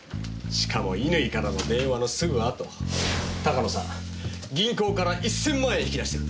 しかも乾からの電話のすぐあと鷹野さん銀行から１千万円引き出してるんです。